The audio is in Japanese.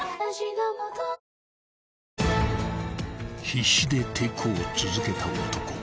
［必死で抵抗を続けた男］